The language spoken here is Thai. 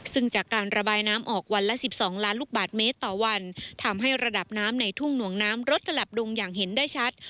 ซึ่งจากการระบายน้ำออกวันละ๑๒ล้านลูกบาทเมตรต่อวันทำให้ระดับน้ำในทุ่งหน่วงน้ำลดถลับลงอย่างเห็นได้ชัด